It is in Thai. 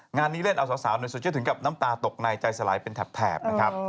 งานนี้เล่นเอาสาวในโซเชียลถึงกับน้ำตาตกในใจสลายเป็นแถบนะครับ